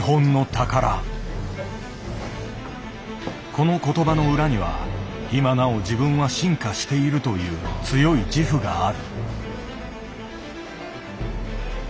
この言葉の裏には「今なお自分は進化している」という強い自負がある。